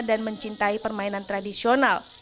dan mencintai permainan tradisional